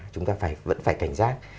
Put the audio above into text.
chúng ta vẫn phải cảnh giác